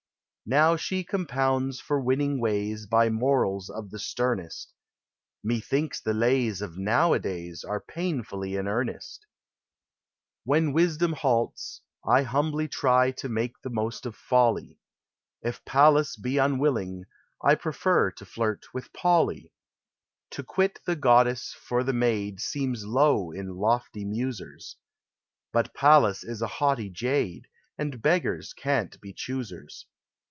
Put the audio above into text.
She now compounds for winning ways By morals of the sternest : Methinks the lays of nowadays Are painfully in earne When Wisdom halts, T humbly try To make the most of Folly ; If Pallas be unwilling, 1 Prefer to flirt with Polly : To quit the goddess for the maid Seems low in Lofty causers; But Pallas is a haughty jade And beggars can't be choosers.